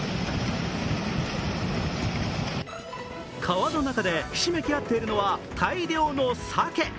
川の中でひしめき合っているのは大量のサケ。